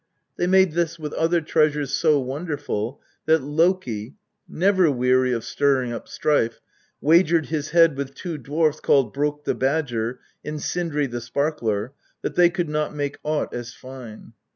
They made this with other treasures so wonderful that Loki, never weary of stirring up strife, wagered his head with two dwarfs called Brokk the Badger and Sindri the Sparkler that they could not make aught as fine.